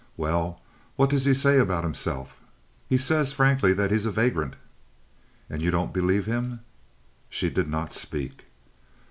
"Well, what does he say about himself?" "He says frankly that he's a vagrant." "And you don't believe him?" She did not speak.